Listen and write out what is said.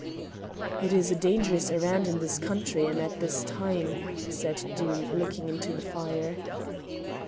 "It is a dangerous errand in this country and at this time," said Doom, looking into the fire.